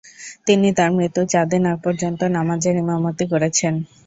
তিনি তার মৃত্যুর চারদিন আগ পর্যন্ত নামাজের ইমামতি করেছেন।